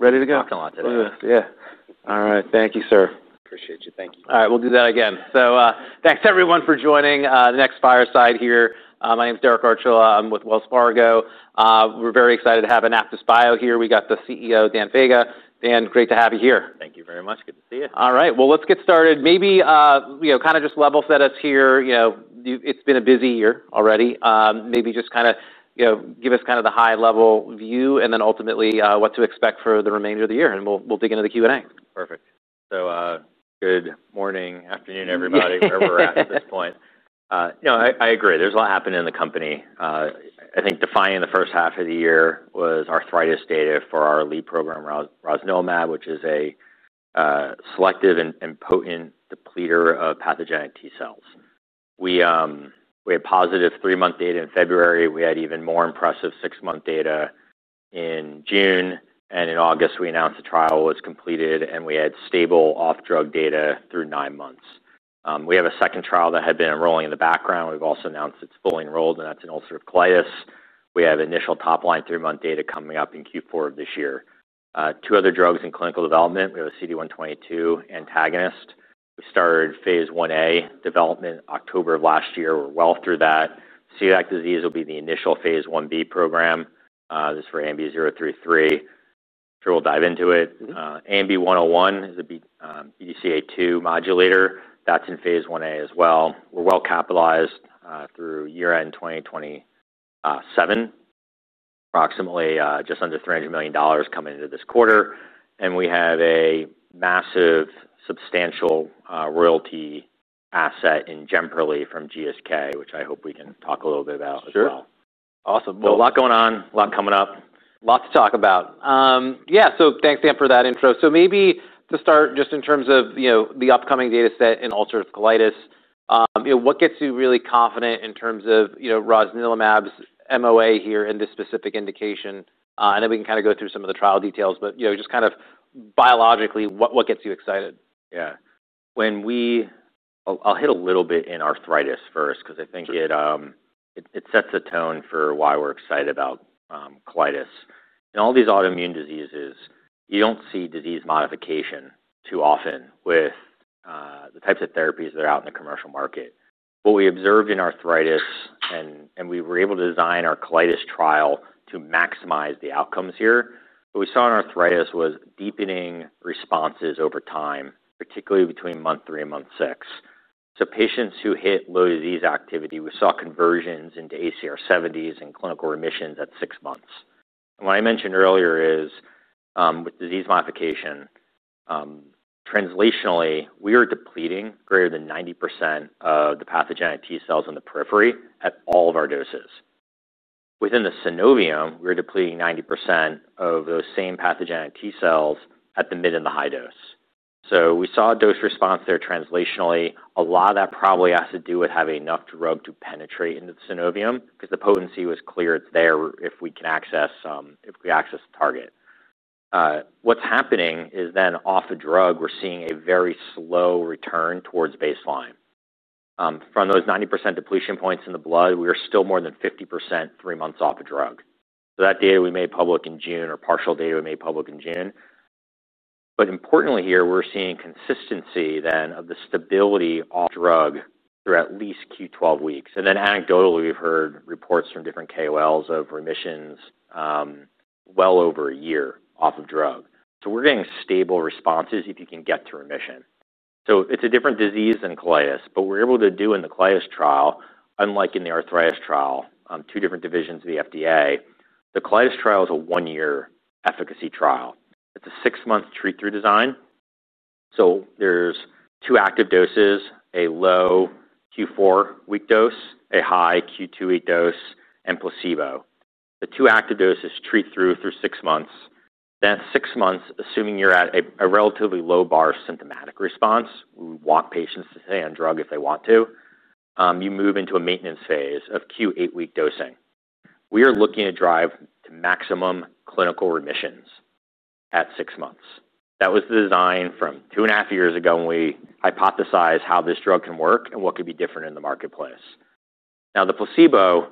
... Ready to go? Talking a lot today. Yeah. All right. Thank you, sir. Appreciate you. Thank you. All right, we'll do that again. So, thanks, everyone, for joining the next Fireside here. My name is Derek Archilla. I'm with Wells Fargo. We're very excited to have AnaptysBio here. We got the CEO, Dan Faga. Dan, great to have you here. Thank you very much. Good to see you. All right. Well, let's get started. Maybe, you know, kind of just level set us here. You know, it's been a busy year already. Maybe just kind of, you know, give us kind of the high-level view, and then ultimately, what to expect for the remainder of the year, and we'll dig into the Q&A. Perfect. So, good morning, afternoon, everybody, wherever we're at, at this point. You know, I agree. There's a lot happening in the company. I think defining the first half of the year was arthritis data for our lead program, rosnilimab, which is a selective and potent depleter of pathogenic T cells. We had positive three-month data in February. We had even more impressive six-month data in June, and in August, we announced the trial was completed, and we had stable off-drug data through nine months. We have a second trial that had been enrolling in the background. We've also announced it's fully enrolled, and that's in ulcerative colitis. We have initial top-line three-month data coming up in Q4 of this year. Two other drugs in clinical development. We have a CD122 antagonist. We started phase 1a development October of last year. We're well through that. Psoriatic disease will be the initial phase 1b program. This is for ANB033. Sure we'll dive into it. Mm-hmm. ANB101 is a BDCA2 modulator. That's in phase 1a as well. We're well capitalized through year-end 2027, approximately just under $300 million coming into this quarter, and we have a massive, substantial royalty asset in Gemperli from GSK, which I hope we can talk a little bit about as well. Sure. Awesome. A lot going on, a lot coming up. Lots to talk about. Yeah, so thanks, Dan, for that intro. So maybe to start, just in terms of, you know, the upcoming data set in ulcerative colitis, you know, what gets you really confident in terms of, you know, rosnilimab's MOA here in this specific indication? And then we can kind of go through some of the trial details, but, you know, just kind of biologically, what gets you excited? Yeah. When we... I'll hit a little bit in arthritis first, 'cause I think it- Sure It sets a tone for why we're excited about colitis. In all these autoimmune diseases, you don't see disease modification too often with the types of therapies that are out in the commercial market. What we observed in arthritis, and we were able to design our colitis trial to maximize the outcomes here, what we saw in arthritis was deepening responses over time, particularly between month three and month six. So patients who hit low disease activity, we saw conversions into ACR70s and clinical remissions at six months. What I mentioned earlier is, with disease modification, translationally, we are depleting greater than 90% of the pathogenic T cells in the periphery at all of our doses. Within the synovium, we're depleting 90% of those same pathogenic T cells at the mid and the high dose. We saw a dose response there translationally. A lot of that probably has to do with having enough drug to penetrate into the synovium, 'cause the potency was clear. It's there if we can access the target. What's happening is then off the drug, we're seeing a very slow return towards baseline. From those 90% depletion points in the blood, we are still more than 50% three months off of drug. That data we made public in June, or partial data we made public in June. But importantly here, we're seeing consistency then of the stability off drug through at least 12 weeks. Then anecdotally, we've heard reports from different KOLs of remissions, well over a year off of drug. We're getting stable responses if you can get to remission. It's a different disease than colitis, but we're able to do in the colitis trial, unlike in the arthritis trial, two different divisions of the FDA. The colitis trial is a one-year efficacy trial. It's a six-month treat-through design. There's two active doses, a low Q4-week dose, a high Q2-week dose, and placebo. The two active doses treat through six months. Then at six months, assuming you're at a relatively low bar symptomatic response, we want patients to stay on drug if they want to. You move into a maintenance phase of Q8-week dosing. We are looking to drive to maximum clinical remissions at six months. That was the design from two and a half years ago when we hypothesized how this drug can work and what could be different in the marketplace. Now, the placebo,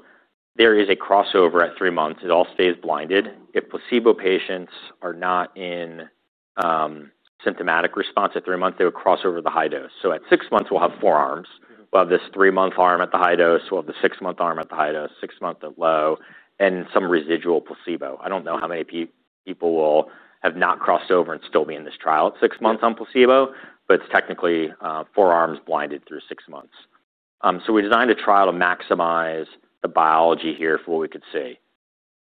there is a crossover at three months. It all stays blinded. If placebo patients are not in symptomatic response at three months, they would cross over to the high dose. So at six months, we'll have four arms. We'll have this three-month arm at the high dose, we'll have the six-month arm at the high dose, six-month at low, and some residual placebo. I don't know how many people will have not crossed over and still be in this trial at six months on placebo, but it's technically four arms blinded through six months. So we designed a trial to maximize the biology here for what we could see.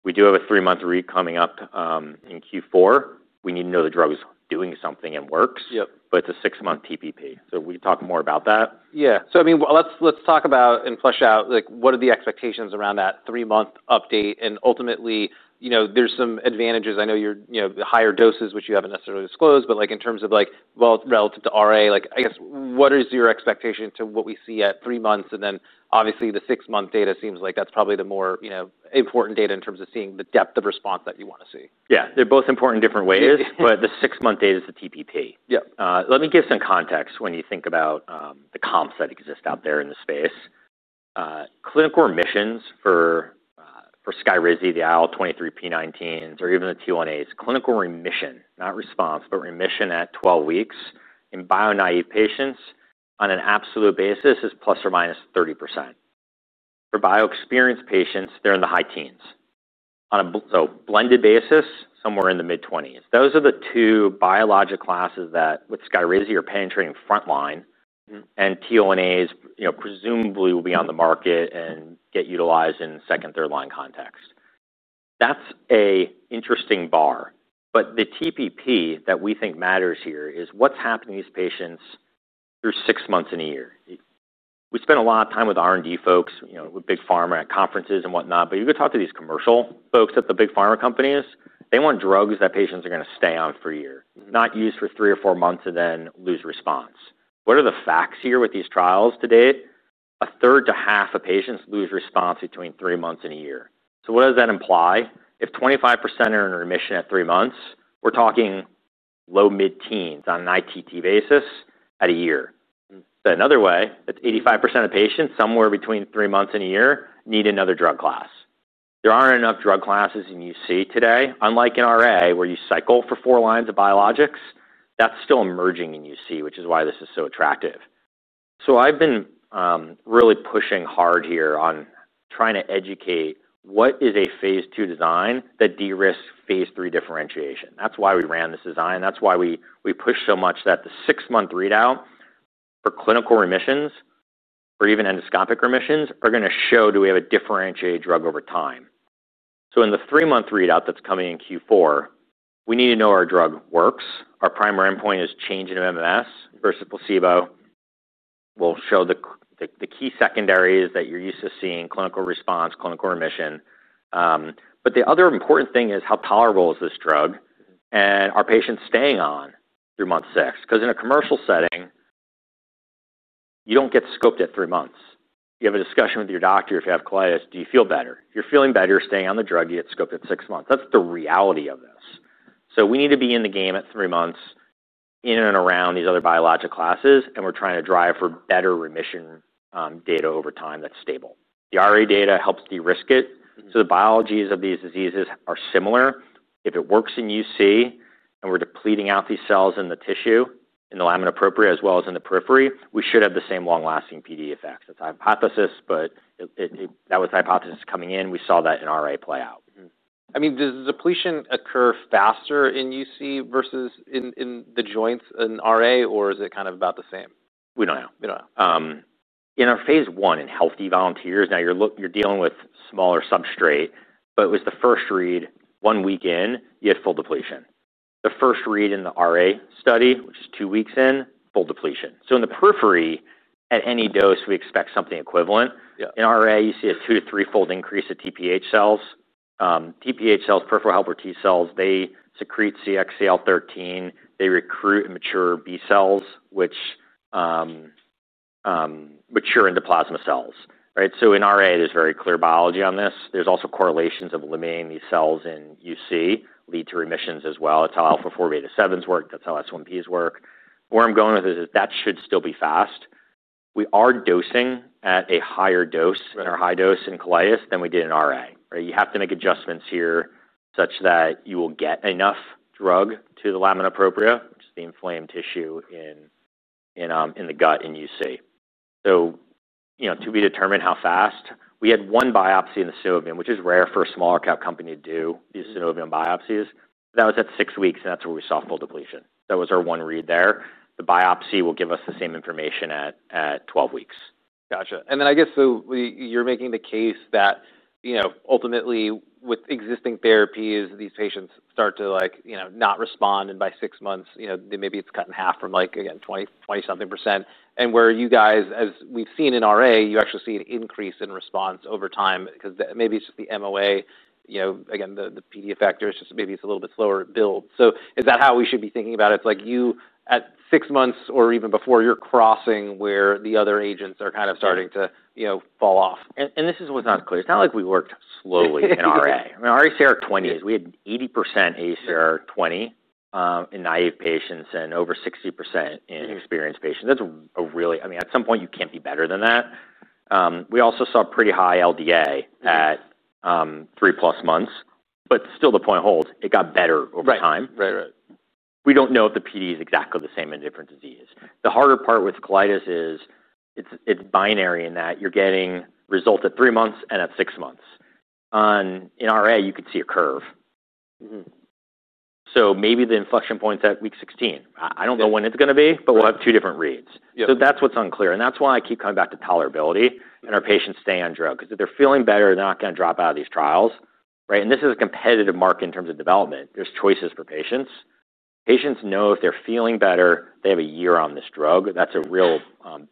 We do have a three-month read coming up in Q4. We need to know the drug is doing something and works. Yep. But it's a six-month TPP, so we talk more about that. Yeah. So I mean, well, let's talk about and flesh out, like, what are the expectations around that three-month update, and ultimately, you know, there's some advantages. I know you're, you know, the higher doses, which you haven't necessarily disclosed, but, like, in terms of, like, well, relative to RA, like, I guess, what is your expectation to what we see at three months? And then obviously, the six-month data seems like that's probably the more, you know, important data in terms of seeing the depth of response that you want to see. Yeah. They're both important in different ways... but the six-month data is the TPP. Yep. Let me give some context when you think about the comps that exist out there in the space. Clinical remissions for Skyrizi, the IL-23p19s, or even the TL1As. Clinical remission, not response, but remission at 12 weeks in bio-naive patients on an absolute basis is plus or minus 30%. For bio-experienced patients, they're in the high teens. On a blended basis, somewhere in the mid-twenties. Those are the two biologic classes that with Skyrizi, you're penetrating frontline. Mm-hmm. TL1As, you know, presumably will be on the market and get utilized in second, third-line context. That's an interesting bar, but the TPP that we think matters here is what's happening to these patients through six months in a year? We spend a lot of time with R&D folks, you know, with big pharma at conferences and whatnot, but you go talk to these commercial folks at the big pharma companies. They want drugs that patients are going to stay on for a year- Mm-hmm. not used for three or four months and then lose response. What are the facts here with these trials to date? A third to half of patients lose response between three months and a year. So what does that imply? If 25% are in remission at three months, we're talking low mid-teens on an ITT basis at a year. Mm-hmm. Said another way, that's 85% of patients, somewhere between three months and a year, need another drug class. There aren't enough drug classes in UC today, unlike in RA, where you cycle for four lines of biologics. That's still emerging in UC, which is why this is so attractive. So I've been really pushing hard here on trying to educate what is a phase II design that de-risks phase III differentiation? That's why we ran this design, that's why we pushed so much that the six-month readout for clinical remissions or even endoscopic remissions are going to show, do we have a differentiated drug over time? So in the three-month readout that's coming in Q4, we need to know our drug works. Our primary endpoint is change in MMS versus placebo. We'll show the c... The key secondaries that you're used to seeing, clinical response, clinical remission, but the other important thing is how tolerable is this drug? Mm-hmm. And are patients staying on through month six? Because in a commercial setting, you don't get scoped at three months. You have a discussion with your doctor if you have colitis, "Do you feel better?" You're feeling better, staying on the drug, you get scoped at six months. That's the reality of this. So we need to be in the game at three months, in and around these other biologic classes, and we're trying to drive for better remission data over time that's stable. The RA data helps de-risk it. Mm-hmm. The biologies of these diseases are similar. If it works in UC, and we're depleting out these cells in the tissue, in the lamina propria, as well as in the periphery, we should have the same long-lasting PD effect. It's a hypothesis, but it... That was the hypothesis coming in, we saw that in RA play out. Mm-hmm. I mean, does depletion occur faster in UC versus in the joints in RA, or is it kind of about the same? We don't know. You don't know. In our phase I in healthy volunteers, now you're dealing with smaller substrate, but it was the first read, one week in, you had full depletion. The first read in the RA study, which is two weeks in, full depletion. So in the periphery, at any dose, we expect something equivalent. Yeah. In RA, you see a two- to threefold increase in TPH cells. TPH cells, peripheral helper T cells, they secrete CXCL13. They recruit immature B cells, which mature into plasma cells, right? So in RA, there's very clear biology on this. There's also correlations of eliminating these cells in UC lead to remissions as well. That's how alpha-4 beta-7s work, that's how S1Ps work. Where I'm going with this is that should still be fast. We are dosing at a higher dose- Right... in our high dose in colitis than we did in RA. Right, you have to make adjustments here such that you will get enough drug to the lamina propria, which is the inflamed tissue in the gut in UC. So, you know, to be determined how fast. We had one biopsy in the ileum, which is rare for a smaller cap company to do- Mm-hmm. These ileum biopsies. That was at six weeks, and that's where we saw full depletion. That was our one read there. The biopsy will give us the same information at 12 weeks. Gotcha. And then I guess, so you're making the case that, you know, ultimately, with existing therapies, these patients start to, like, you know, not respond, and by six months, you know, maybe it's cut in half from, like, again, 20, 20-something%. And where you guys, as we've seen in RA, you actually see an increase in response over time, because maybe it's just the MOA, you know, again, the PD effect, or it's just maybe it's a little bit slower build. So is that how we should be thinking about it? It's like you, at six months or even before, you're crossing where the other agents are kind of starting to- Yeah You know, fall off. This is what's not clear. It's not like we worked slowly in RA. I mean, ACR20, we had 80% ACR20 in naive patients and over 60% in experienced patients. Mm-hmm. That's a really... I mean, at some point, you can't be better than that. We also saw pretty high LDA- Mm-hmm at three-plus months, but still the point holds. It got better over time. Right. Right, right. We don't know if the PD is exactly the same in a different disease. The harder part with colitis is, it's binary in that you're getting results at three months and at six months. In RA, you could see a curve. Mm-hmm. Maybe the inflection point's at week sixteen. Yeah. I don't know when it's going to be, but we'll have two different reads. Yeah. So that's what's unclear, and that's why I keep coming back to tolerability, and our patients stay on drug. Because if they're feeling better, they're not going to drop out of these trials, right? And this is a competitive market in terms of development. There's choices for patients. Patients know if they're feeling better, they have a year on this drug. That's a real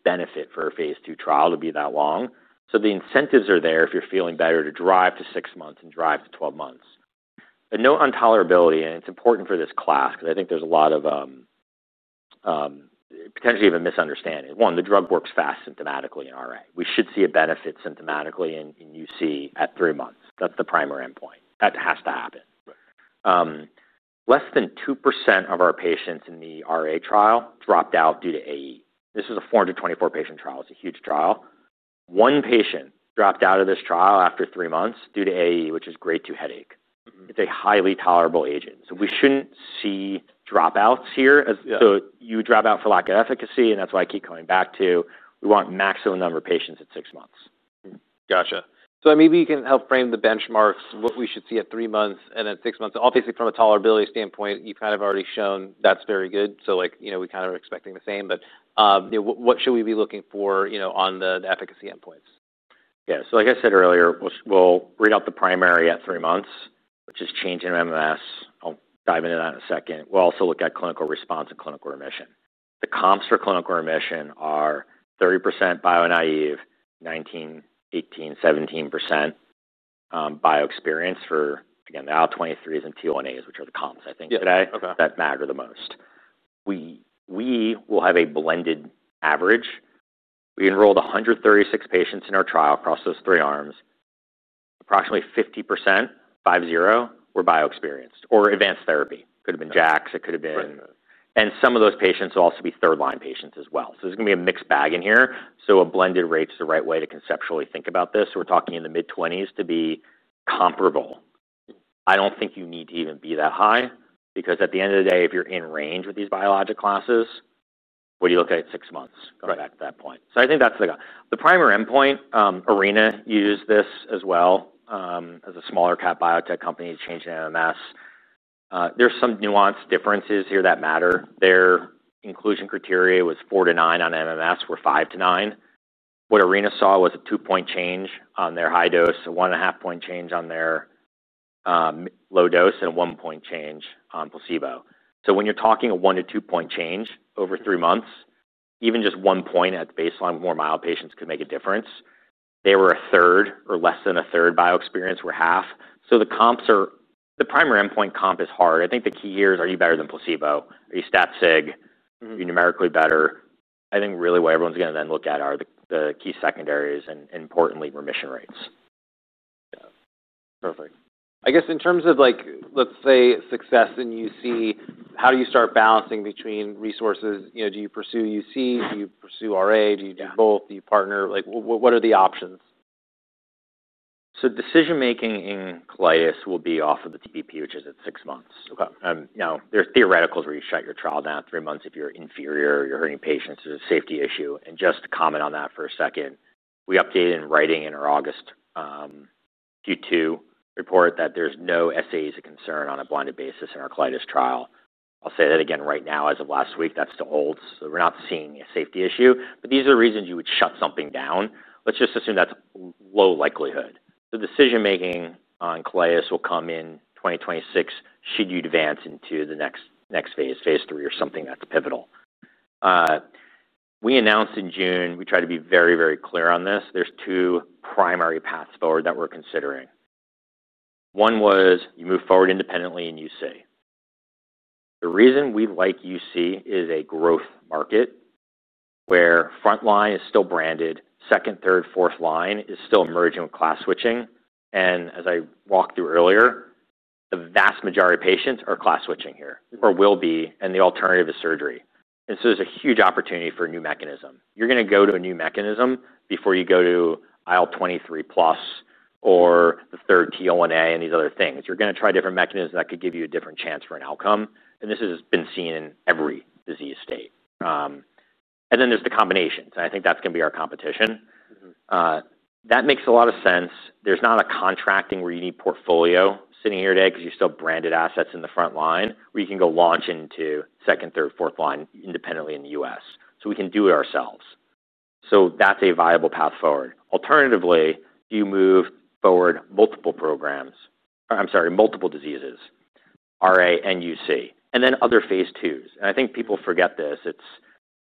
benefit for a phase II trial to be that long. So the incentives are there, if you're feeling better, to drive to six months and drive to twelve months. But no untolerability, and it's important for this class, because I think there's a lot of potentially even misunderstanding. One, the drug works fast symptomatically in RA. We should see a benefit symptomatically in UC at three months. That's the primary endpoint. That has to happen. Less than 2% of our patients in the RA trial dropped out due to AE. This is a 424-patient trial. It's a huge trial. One patient dropped out of this trial after three months due to AE, which is grade 2 headache. Mm-hmm. It's a highly tolerable agent, so we shouldn't see dropouts here as- Yeah. So you drop out for lack of efficacy, and that's why I keep coming back to, we want maximum number of patients at six months. Gotcha. So maybe you can help frame the benchmarks, what we should see at three months and at six months. Obviously, from a tolerability standpoint, you've kind of already shown that's very good, so, like, you know, we kind of are expecting the same. But, you know, what, what should we be looking for, you know, on the efficacy endpoints? Yeah, so like I said earlier, we'll read out the primary at three months, which is change in MMS. I'll dive into that in a second. We'll also look at clinical response and clinical remission. The comps for clinical remission are 30% bio-naive, 19%, 18%, 17% bio-experienced for again now IL-23s and TL1As, which are the comps, I think, today- Yeah. Okay ...that matter the most. We will have a blended average. We enrolled 136 patients in our trial across those three arms. Approximately 50%, 50, were bio-experienced or advanced therapy. Okay. Could have been JAKs, it could have been- Right. Some of those patients will also be third-line patients as well. There's going to be a mixed bag in here, so a blended rate is the right way to conceptually think about this. We're talking in the mid-twenties to be comparable. I don't think you need to even be that high, because at the end of the day, if you're in range with these biologic classes, what are you looking at six months? Right. At that point. So I think that's the guy. The primary endpoint, Arena used this as well, as a smaller cap biotech company to change MMS. There's some nuance differences here that matter. Their inclusion criteria was four to nine on MMS, we're five to nine. What Arena saw was a two-point change on their high dose, a one-and-a-half point change on their, low dose, and a one-point change on placebo. So when you're talking a one to two-point change over three months, even just one point at baseline, more mild patients could make a difference. They were a third or less than a third bio-experience, we're half. So the comps are... The primary endpoint comp is hard. I think the key here is, are you better than placebo? Are you stat sig? Mm-hmm. Are you numerically better? I think really what everyone's going to then look at are the key secondaries, and importantly, remission rates. Yeah. Perfect. I guess in terms of, like, let's say, success in UC, how do you start balancing between resources? You know, do you pursue UC? Do you pursue RA? Yeah. Do you do both? Do you partner? Like, what, what are the options? Decision-making in colitis will be off of the TPP, which is at six months. Okay. Now, there's theoreticals where you shut your trial down three months if you're inferior, you're hurting patients, there's a safety issue. And just to comment on that for a second, we updated in writing in our August, Q2 report that there's no SAIs of concern on a blinded basis in our colitis trial. I'll say that again right now, as of last week, that still holds. So we're not seeing a safety issue, but these are the reasons you would shut something down. Let's just assume that's low likelihood. The decision-making on colitis will come in twenty twenty-six, should you advance into the next phase, phase III or something that's pivotal. We announced in June, we tried to be very, very clear on this, there's two primary paths forward that we're considering. One was you move forward independently in UC. The reason we like UC is a growth market where frontline is still branded, second, third, fourth line is still emerging with class switching. And as I walked through earlier, the vast majority of patients are class switching here- Mm-hmm... or will be, and the alternative is surgery and so there's a huge opportunity for a new mechanism. You're going to go to a new mechanism before you go to IL-23 plus or the third TL1A and these other things. You're going to try different mechanisms that could give you a different chance for an outcome, and this has been seen in every disease state and then there's the combinations, and I think that's going to be our competition. Mm-hmm. That makes a lot of sense. There's not a contracting where you need portfolio sitting here today, because you still branded assets in the front line, where you can go launch into second, third, fourth line independently in the US. So we can do it ourselves. So that's a viable path forward. Alternatively, do you move forward multiple programs. I'm sorry, multiple diseases, RA and UC, and then other phase IIs? And I think people forget this. It's.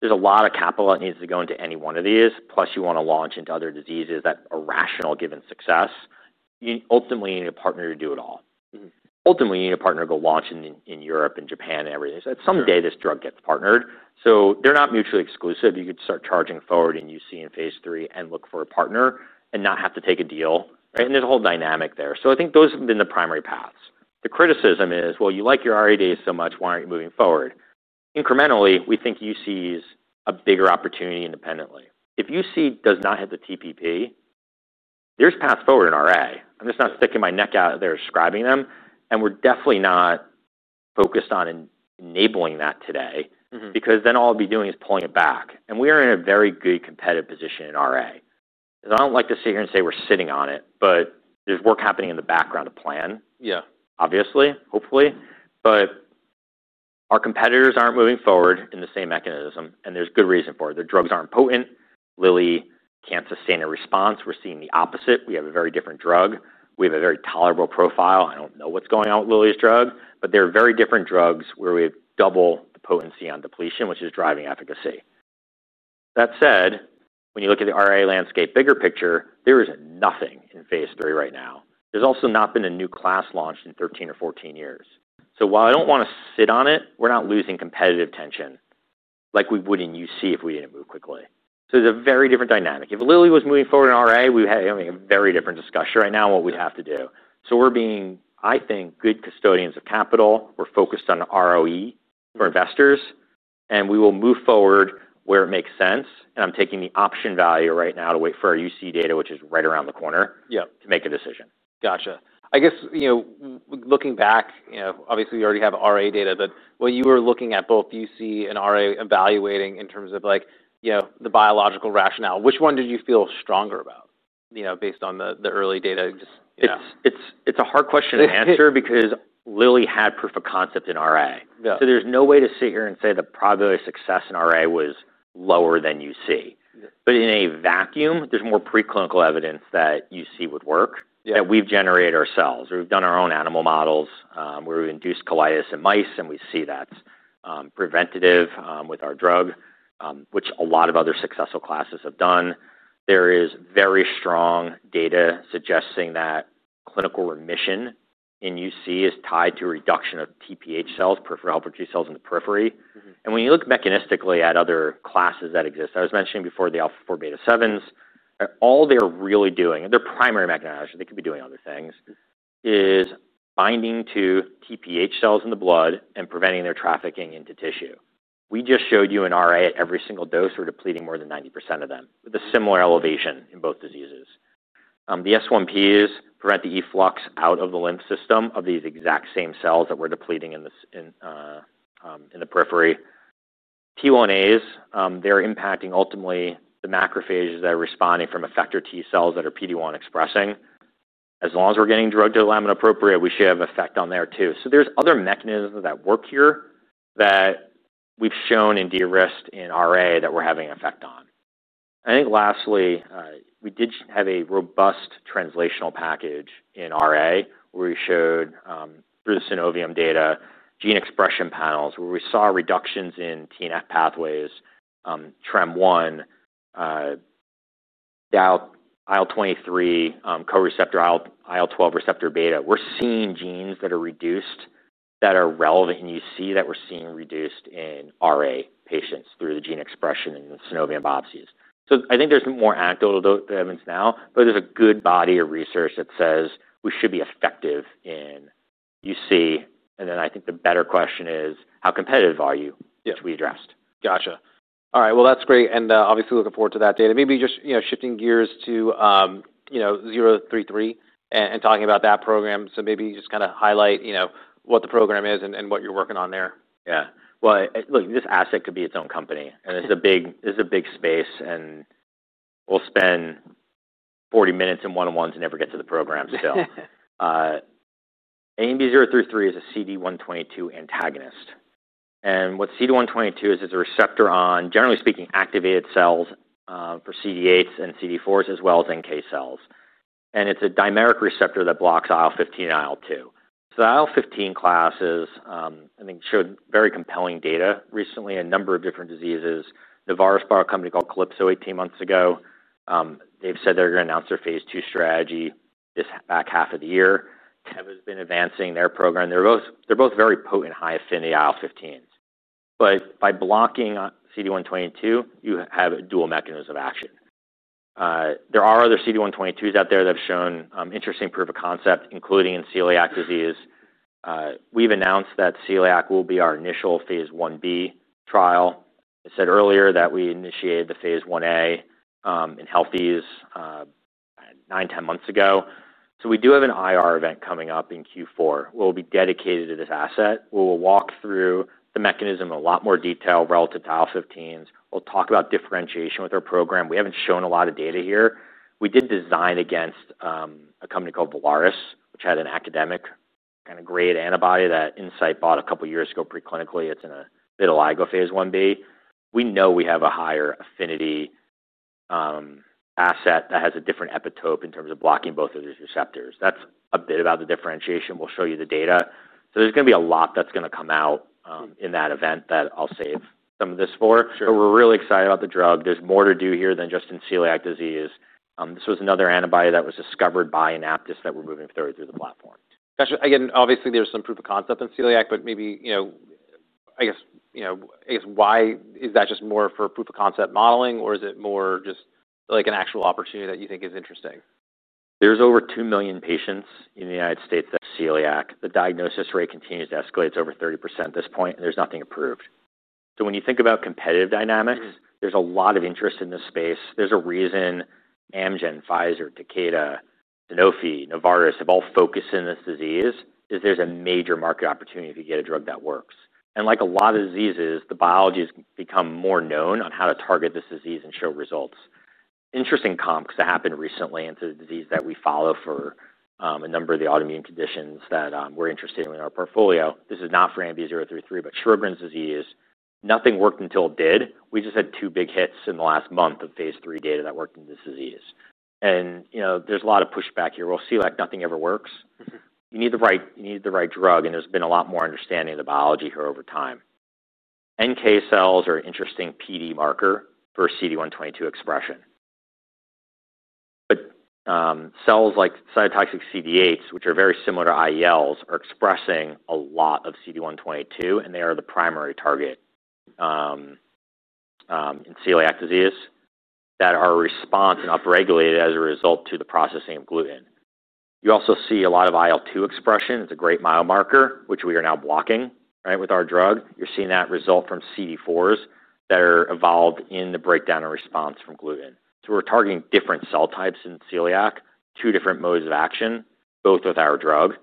There's a lot of capital that needs to go into any one of these, plus you want to launch into other diseases that are rational, given success. You ultimately need a partner to do it all. Mm-hmm. Ultimately, you need a partner to go launch in Europe and Japan, and everything. Sure. Someday, this drug gets partnered, so they're not mutually exclusive. You could start charging forward in UC in phase III and look for a partner and not have to take a deal, right? And there's a whole dynamic there. So I think those have been the primary paths. The criticism is, well, you like your RAD so much, why aren't you moving forward? Incrementally, we think UC is a bigger opportunity independently. If UC does not hit the TPP, there's paths forward in RA. I'm just not sticking my neck out there describing them, and we're definitely not focused on enabling that today- Mm-hmm... because then all I'll be doing is pulling it back. And we are in a very good competitive position in RA. And I don't like to sit here and say we're sitting on it, but there's work happening in the background to plan- Yeah... obviously, hopefully. But our competitors aren't moving forward in the same mechanism, and there's good reason for it. Their drugs aren't potent. Lilly can't sustain a response. We're seeing the opposite. We have a very different drug. We have a very tolerable profile. I don't know what's going on with Lilly's drug, but they're very different drugs where we have double the potency on depletion, which is driving efficacy. That said, when you look at the RA landscape, bigger picture, there is nothing in phase III right now. There's also not been a new class launched in 13 or 14 years. So while I don't want to sit on it, we're not losing competitive tension... like we would in UC if we didn't move quickly. So it's a very different dynamic. If Lilly was moving forward in RA, we'd be having a very different discussion right now on what we'd have to do. So we're being, I think, good custodians of capital. We're focused on ROE for investors, and we will move forward where it makes sense, and I'm taking the option value right now to wait for our UC data, which is right around the corner. Yeah. to make a decision. Gotcha. I guess, you know, looking back, you know, obviously, you already have RA data, but when you were looking at both UC and RA, evaluating in terms of like, you know, the biological rationale, which one did you feel stronger about, you know, based on the early data just? Yeah. It's a hard question to answer because Lilly had proof of concept in RA. Yeah. There's no way to sit here and say the probability of success in RA was lower than UC. Yeah. But in a vacuum, there's more preclinical evidence that UC would work- Yeah ... that we've generated ourselves. We've done our own animal models, where we've induced colitis in mice, and we see that's preventative with our drug, which a lot of other successful classes have done. There is very strong data suggesting that clinical remission in UC is tied to a reduction of TPH cells, peripheral helper T cells in the periphery. Mm-hmm. When you look mechanistically at other classes that exist, I was mentioning before, the alpha-4 beta-7s, all they're really doing, their primary mechanism, they could be doing other things, is binding to TPH cells in the blood and preventing their trafficking into tissue. We just showed you in RA, at every single dose, we're depleting more than 90% of them, with a similar elevation in both diseases. The S1Ps prevent the efflux out of the lymph system of these exact same cells that we're depleting in the periphery. TL1As, they're impacting ultimately the macrophages that are responding from effector T-cells that are PD-1 expressing. As long as we're getting drug to the lamina propria, we should have effect on there too. So there's other mechanisms that work here that we've shown and de-risked in RA that we're having an effect on. I think lastly, we did have a robust translational package in RA, where we showed, through the synovium data, gene expression panels, where we saw reductions in TNF pathways, TREM-1, DAO, IL-23, co-receptor IL, IL-12 receptor beta. We're seeing genes that are reduced that are relevant, and you see that we're seeing reduced in RA patients through the gene expression in the synovium biopsies. So I think there's more anecdotal evidence now, but there's a good body of research that says we should be effective in UC, and then I think the better question is, how competitive are you? Yeah. To be addressed. Gotcha. All right, well, that's great, and obviously, looking forward to that data. Maybe just, you know, shifting gears to, you know, zero three three, and talking about that program. So maybe just kinda highlight, you know, what the program is and what you're working on there. Yeah. Well, look, this asset could be its own company, and it's a big space, and we'll spend 40 minutes in one-on-ones and never get to the program still. ANB033 is a CD122 antagonist, and what CD122 is, it's a receptor on, generally speaking, activated cells, for CD8s and CD4s, as well as NK cells. And it's a dimeric receptor that blocks IL-15 and IL-2. So the IL-15 class is, I think, showed very compelling data recently in a number of different diseases. Novartis bought a company called Calypso 18 months ago. They've said they're going to announce their phase II strategy this back half of the year. Teva's been advancing their program. They're both, they're both very potent, high-affinity IL-15s. But by blocking CD122, you have a dual mechanism of action. There are other CD122s out there that have shown interesting proof of concept, including in celiac disease. We've announced that celiac will be our initial phase Ib trial. I said earlier that we initiated the phase Ia in healthies nine, ten months ago. So we do have an IR event coming up in Q4, where we'll be dedicated to this asset. We will walk through the mechanism in a lot more detail relative to IL-15s. We'll talk about differentiation with our program. We haven't shown a lot of data here. We did design against a company called Villaris, which had an academic and an IgG antibody that Incyte bought a couple of years ago, preclinically. It's in a late phase Ib. We know we have a higher affinity asset that has a different epitope in terms of blocking both of those receptors. That's a bit about the differentiation. We'll show you the data. So there's going to be a lot that's going to come out, in that event that I'll save some of this for. Sure. We're really excited about the drug. There's more to do here than just in celiac disease. This was another antibody that was discovered by Anaptys that we're moving forward through the platform. Gotcha. Again, obviously, there's some proof of concept in celiac, but maybe, you know, I guess why... Is that just more for proof-of-concept modeling, or is it more just like an actual opportunity that you think is interesting? There's over two million patients in the United States that have celiac. The diagnosis rate continues to escalate. It's over 30% at this point, and there's nothing approved, so when you think about competitive dynamics, there's a lot of interest in this space. There's a reason Amgen, Pfizer, Takeda, Sanofi, Novartis have all focused on this disease, is there's a major market opportunity if you get a drug that works, and like a lot of diseases, the biology has become more known on how to target this disease and show results. Interesting comp that happened recently, and it's a disease that we follow for a number of the autoimmune conditions that we're interested in in our portfolio. This is not for ANB033, but Sjogren's disease. Nothing worked until it did. We just had two big hits in the last month of phase III data that worked in this disease, and, you know, there's a lot of pushback here, well, celiac, nothing ever works. Mm-hmm. You need the right, you need the right drug, and there's been a lot more understanding of the biology here over time. NK cells are an interesting PD marker for CD122 expression. Cells like cytotoxic CD8s, which are very similar to IELs, are expressing a lot of CD122, and they are the primary target in celiac disease that are responsive and upregulated as a result to the processing of gluten. You also see a lot of IL-2 expression. It's a great biomarker, which we are now blocking, right, with our drug. You're seeing that result from CD4s that are involved in the breakdown and response from gluten. So we're targeting different cell types in celiac, two different modes of action, both with our drug.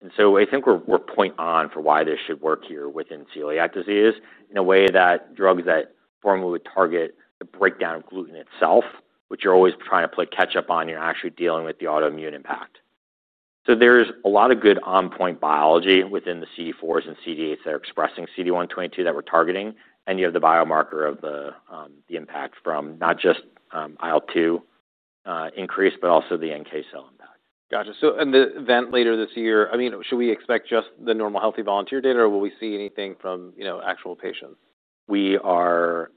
And so I think we're point on for why this should work here within celiac disease in a way that drugs that formerly would target the breakdown of gluten itself, which you're always trying to play catch up on, you're actually dealing with the autoimmune impact. So there's a lot of good on point biology within the CD4s and CD8s that are expressing CD122 that we're targeting, and you have the biomarker of the impact from not just IL-2 increase, but also the NK cell impact. Gotcha. So, and the event later this year, I mean, should we expect just the normal healthy volunteer data, or will we see anything from, you know, actual patients? We are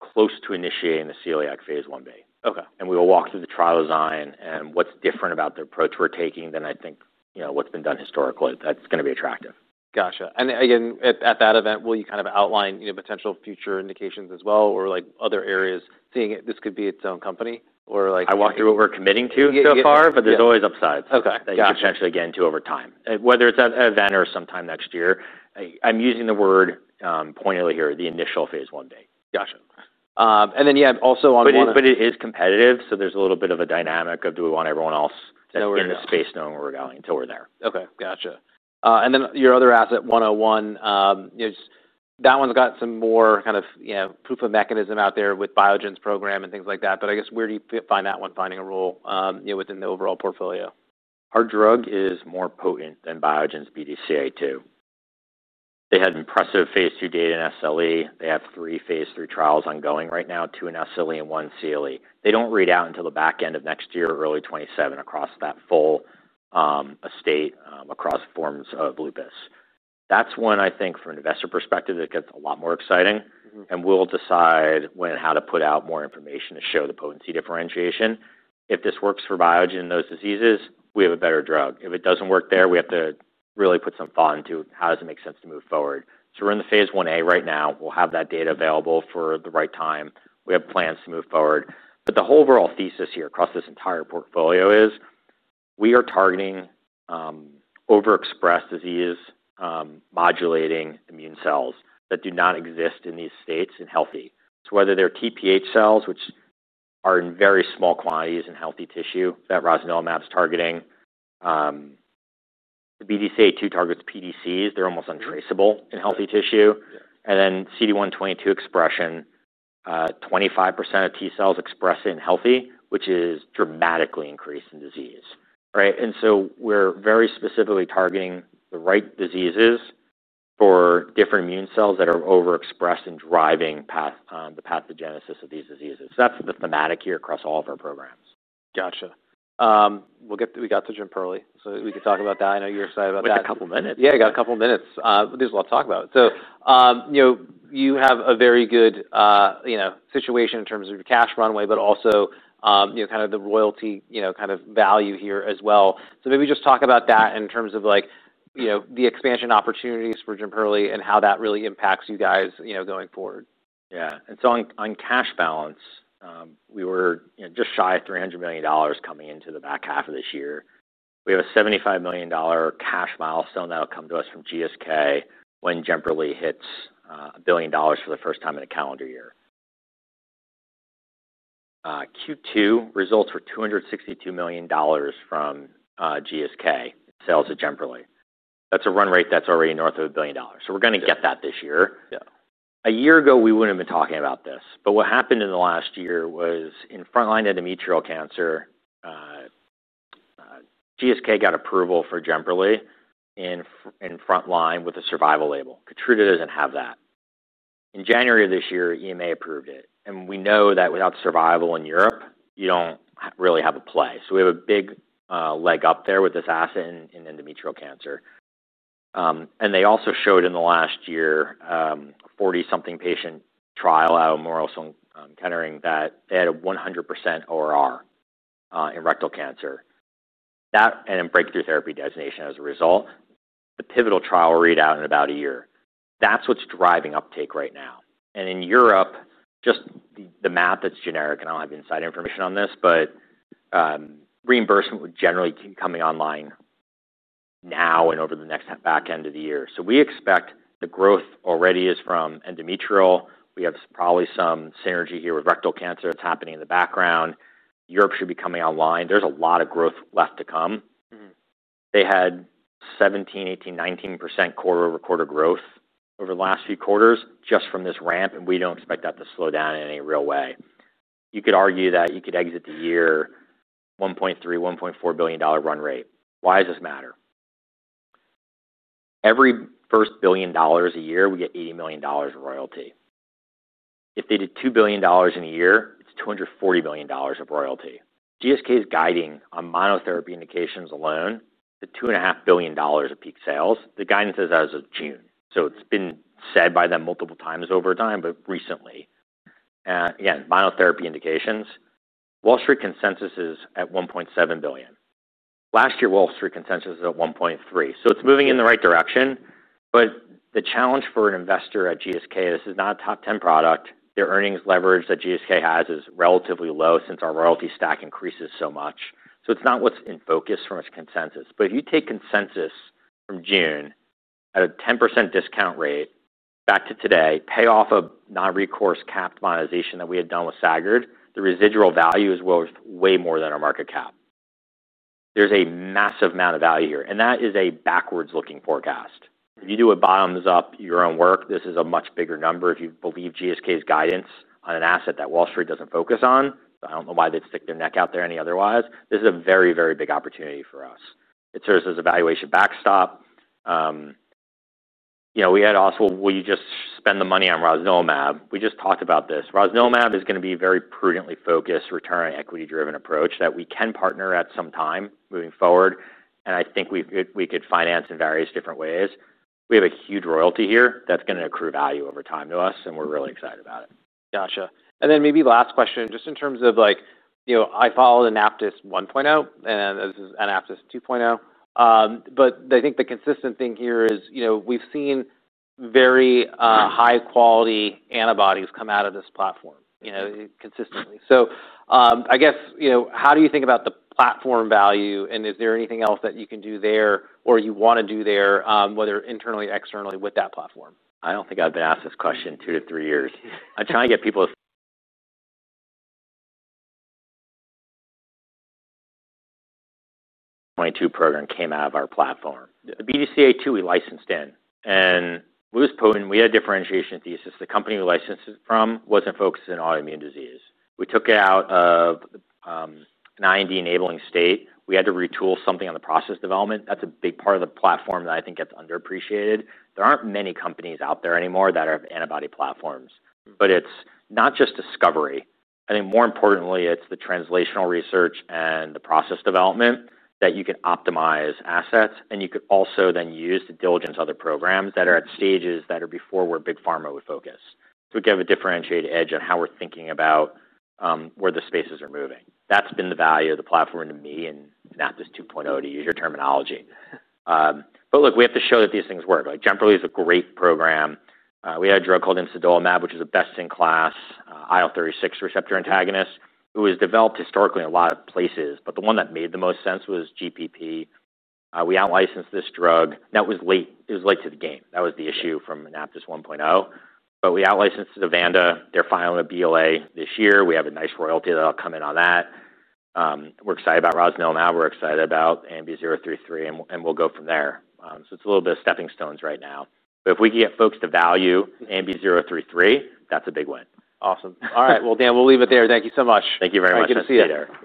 close to initiating the Celiac phase 1b. Okay. We will walk through the trial design and what's different about the approach we're taking than, I think, you know, what's been done historically. That's going to be attractive. Gotcha. And again, at that event, will you kind of outline, you know, potential future indications as well, or, like, other areas, seeing this could be its own company? Or like- I walked through what we're committing to so far, but there's always upsides- Okay. Gotcha... that you potentially get into over time, whether it's at an event or sometime next year. I, I'm using the word, pointedly here, the initial phase 1b. Gotcha. And then, yeah, also on one- But it is competitive, so there's a little bit of a dynamic of do we want everyone else- No... in the space knowing where we're going until we're there. Okay. Gotcha. And then your other asset, one oh one, is... That one's got some more kind of, you know, proof of mechanism out there with Biogen's program and things like that. But I guess, where do you find that one finding a role, you know, within the overall portfolio? Our drug is more potent than Biogen's BDCA2. They had impressive phase 2 data in SLE. They have three phase 3 trials ongoing right now, two in SLE and one CLE. They don't read out until the back end of next year or early 2027 across that full estate across forms of lupus. That's one, I think, from an investor perspective. It gets a lot more exciting. Mm-hmm. We'll decide when and how to put out more information to show the potency differentiation. If this works for Biogen in those diseases, we have a better drug. If it doesn't work there, we have to really put some thought into how does it make sense to move forward. We're in the phase 1a right now. We'll have that data available for the right time. We have plans to move forward, but the overall thesis here across this entire portfolio is, we are targeting, overexpressed disease, modulating immune cells that do not exist in these states in healthy. Whether they're TPH cells, which are in very small quantities in healthy tissue, that rosnilimab's targeting, the BDCA2 targets PDCs, they're almost untraceable- Mm-hmm... in healthy tissue. Yeah. CD122 expression, 25% of T cells express it in healthy, which is dramatically increased in disease, right? We're very specifically targeting the right diseases for different immune cells that are overexpressed in driving the pathogenesis of these diseases. That's the thematic here across all of our programs. Gotcha. We'll get to Jim Perley, so we can talk about that. I know you're excited about that. We got a couple minutes. Yeah, you got a couple of minutes. There's a lot to talk about. So, you know, you have a very good, you know, situation in terms of your cash runway, but also, you know, kind of the royalty, you know, kind of value here as well. So maybe just talk about that in terms of like, you know, the expansion opportunities for Gemperli and how that really impacts you guys, you know, going forward. Yeah. And so on, on cash balance, we were, you know, just shy of $300 million coming into the back half of this year. We have a $75 million dollar cash milestone that'll come to us from GSK when Jemperli hits $1 billion for the first time in a calendar year. Q2 results were $262 million from GSK sales at Jemperli. That's a run rate that's already north of $1 billion, so we're gonna get that this year. Yeah. A year ago, we wouldn't have been talking about this, but what happened in the last year was, in frontline endometrial cancer, GSK got approval for Gemperli in frontline with a survival label. Keytruda doesn't have that. In January of this year, EMA approved it, and we know that without survival in Europe, you don't really have a play. So we have a big leg up there with this asset in endometrial cancer. And they also showed in the last year, forty-something patient trial out of Memorial Sloan Kettering, that they had a 100% ORR in rectal cancer. That, and a breakthrough therapy designation as a result, the pivotal trial will read out in about a year. That's what's driving uptake right now. And in Europe, just the math that's generic, and I don't have inside information on this, but reimbursement would generally keep coming online now and over the next half back end of the year. So we expect the growth already is from endometrial. We have probably some synergy here with rectal cancer that's happening in the background. Europe should be coming online. There's a lot of growth left to come. Mm-hmm. They had 17%, 18%, 19% quarter over quarter growth over the last few quarters just from this ramp, and we don't expect that to slow down in any real way. You could argue that you could exit the year $1.3-$1.4 billion run rate. Why does this matter? Every $1 billion a year, we get $80 million in royalty. If they did $2 billion in a year, it's $240 million of royalty. GSK is guiding on monotherapy indications alone to $2.5 billion of peak sales. The guidance is as of June, so it's been said by them multiple times over time, but recently. Again, monotherapy indications. Wall Street consensus is at $1.7 billion. Last year, Wall Street consensus was at $1.3 billion, so it's moving in the right direction. But the challenge for an investor at GSK, this is not a top ten product. Their earnings leverage that GSK has is relatively low since our royalty stack increases so much. So it's not what's in focus from its consensus. But if you take consensus from June at a 10% discount rate back to today, pay off a non-recourse capped monetization that we had done with Sagard, the residual value is worth way more than our market cap. There's a massive amount of value here, and that is a backward-looking forecast. If you do a bottoms-up your own work, this is a much bigger number. If you believe GSK's guidance on an asset that Wall Street doesn't focus on, I don't know why they'd stick their neck out there any otherwise, this is a very, very big opportunity for us. It serves as a valuation backstop. You know, we had also, will you just spend the money on rosnilimab? We just talked about this. Rosnilimab is going to be a very prudently focused, return on equity-driven approach that we can partner at some time moving forward, and I think we could finance in various different ways. We have a huge royalty here that's going to accrue value over time to us, and we're really excited about it. Gotcha. And then maybe last question, just in terms of like, you know, I followed AnaptysBio 1.0, and this is AnaptysBio 2.0. But I think the consistent thing here is, you know, we've seen very high quality antibodies come out of this platform, you know, consistently. I guess, you know, how do you think about the platform value, and is there anything else that you can do there or you want to do there, whether internally, externally with that platform? I don't think I've been asked this question in two to three years. I'm trying to get people... 22 program came out of our platform. The BDCA2, we licensed in, and it was potent. We had a differentiation thesis. The company we licensed it from wasn't focused on autoimmune disease. We took it out of an IND-enabling state. We had to retool something on the process development. That's a big part of the platform that I think gets underappreciated. There aren't many companies out there anymore that have antibody platforms, but it's not just discovery. I think more importantly, it's the translational research and the process development that you can optimize assets, and you could also then use to diligence other programs that are at stages that are before where big pharma would focus. We have a differentiated edge on how we're thinking about where the spaces are moving. That's been the value of the platform to me and Anaptys two point O, to use your terminology. But look, we have to show that these things work. Like, Gemperli is a great program. We had a drug called imsidolimab, which is a best-in-class IL-36 receptor antagonist, which was developed historically in a lot of places, but the one that made the most sense was GPP. We outlicensed this drug. That was late, it was late to the game. That was the issue from Anaptys one point O, but we outlicensed to Vanda. They're filing a BLA this year. We have a nice royalty that I'll come in on that. We're excited about rosnilimab, we're excited about ANB033, and, and we'll go from there. So it's a little bit of stepping stones right now, but if we can get folks to value ANB033, that's a big win. Awesome. All right. Well, Dan, we'll leave it there. Thank you so much. Thank you very much. Good to see you.